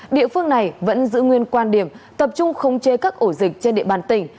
địa phương này vẫn giữ nguyên quan điểm tập trung không chê các ổ dịch trên địa bàn tỉnh